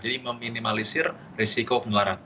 jadi meminimalisir risiko penularan